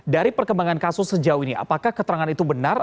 dari perkembangan kasus sejauh ini apakah keterangan itu benar